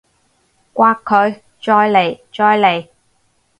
摑佢！再嚟！再嚟！